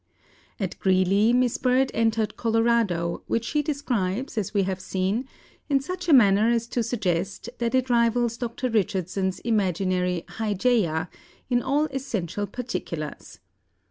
At Greeley Miss Bird entered Colorado, which she describes, as we have seen, in such a manner as to suggest that it rivals Dr. Richardson's imaginary "Hygeia" in all essential particulars.